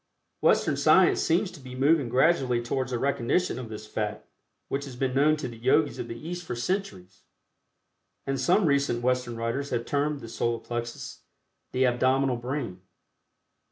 Western science seems to be moving gradually towards a recognition of this fact which has been known to the Yogis of the East for centuries, and some recent Western writers have termed the Solar Plexus the "Abdominal Brain."